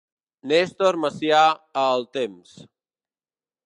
Néstor Macià a El Temps.